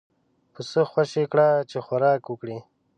پسه خوشی کړه چې خوراک وکړي.